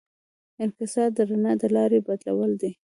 انکسار د رڼا د لارې بدلول دي.